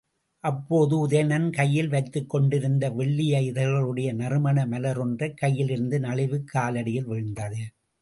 அப்போது உதயணன் கையில் வைத்துக் கொண்டிருந்த வெள்ளிய இதழ்களையுடைய நறுமண மலர் ஒன்று கையிலிருந்து நழுவிக் காலடியில் வீழ்ந்தது.